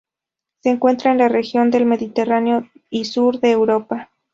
Se encuentra en la región del Mediterráneo y sur de Europa.